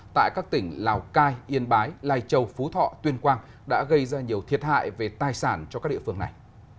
tại các tỉnh lào cai yên bái lai châu phú thọ tuyên quang đã gây ra nhiều thiệt hại về tài sản cho các địa phương này